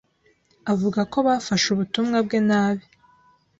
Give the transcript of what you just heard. avuga ko bafashe ubutumwa bwe nabi